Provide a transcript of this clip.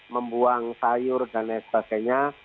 membuang sayur dan lain sebagainya